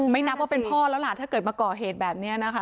นับว่าเป็นพ่อแล้วล่ะถ้าเกิดมาก่อเหตุแบบนี้นะคะ